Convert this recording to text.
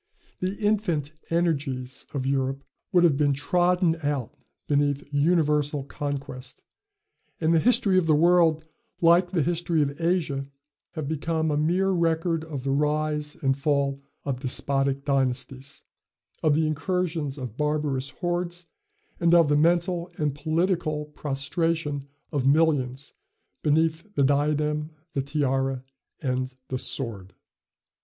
The infant energies of Europe would have been trodden out beneath universal conquest, and the history of the world, like the history of Asia, have become a mere record of the rise and fall of despotic dynasties, of the incursions of barbarous hordes, and of the mental and political prostration of millions beneath the diadem, the tiara, and the sword.